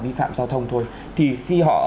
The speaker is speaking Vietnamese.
vi phạm giao thông thôi thì khi họ